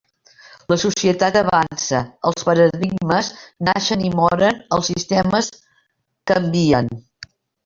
La societat avança, els paradigmes naixen i moren, els sistemes canvien.